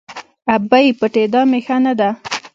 – ابۍ! پټېدا مې ښه نه ده.